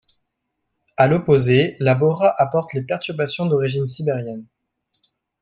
À l’opposé, la bora apporte les perturbations d’origine sibérienne.